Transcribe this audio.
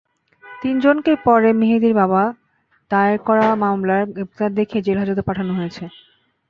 তিনজনকেই পরে মেহেদীর বাবার দায়ের করা মামলায় গ্রেপ্তার দেখিয়ে জেলহাজতে পাঠানো হয়েছে।